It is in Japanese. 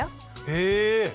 へえ！